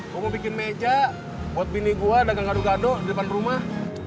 gue mau bikin meja buat bini gue dagang gado gado di depan rumah